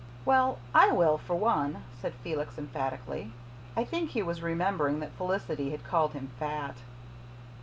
"Well, I will, for one," said Felix emphatically. I think he was remembering that Felicity had called him fat.